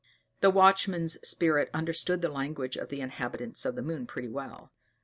The watchman's spirit understood the language of the inhabitants of the moon pretty well.